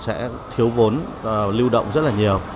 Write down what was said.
sẽ thiếu vốn lưu động rất là nhiều